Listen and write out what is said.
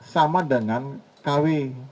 sama dengan kw